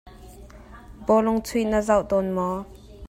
Bawlung chuih na zoh tawn maw?